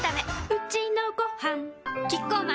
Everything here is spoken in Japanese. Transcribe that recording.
うちのごはんキッコーマン